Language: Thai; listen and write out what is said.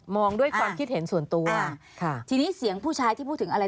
ด้วยความคิดเห็นส่วนตัวค่ะทีนี้เสียงผู้ชายที่พูดถึงอะไร